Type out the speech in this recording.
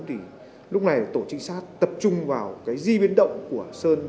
thì lúc này tổ trinh sát tập trung vào cái di biến động của sơn